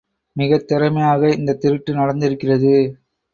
மிகத் திறமையாக இந்தத் திருட்டு நடந்திருக்கிறது.